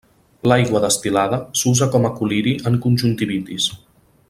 L'aigua destil·lada s'usa com a col·liri en conjuntivitis.